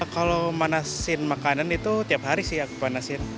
kalau panaskan makanan itu tiap hari sih aku panaskan